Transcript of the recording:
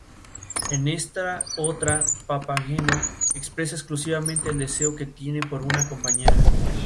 En esta otra, Papageno expresa exclusivamente el deseo que tiene por una compañera.